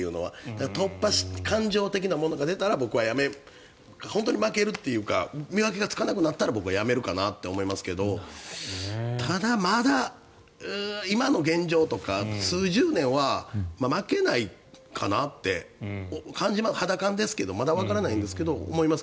だから突破感情的なものが出たら僕はやめ本当に負けるというか見分けがつかなくなったら僕はやめるかなと思いますけどただ、まだ今の現状とか数十年は負けないかなって感じます、肌感ですけどまだわからないですけど。